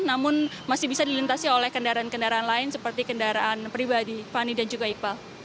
namun masih bisa dilintasi oleh kendaraan kendaraan lain seperti kendaraan pribadi fani dan juga iqbal